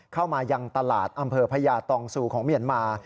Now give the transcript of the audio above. เข้ามายังตลาดอำเภอพญาตองซูของเมียนมา